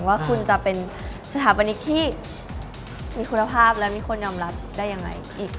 ว่าคุณจะเป็นสถาปนิกที่มีคุณภาพและมีคนยอมรับได้ยังไง